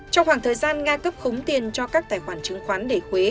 trong khoảng thời gian nga cấp khống tiền cho các tài khoản chứng khoán để khuế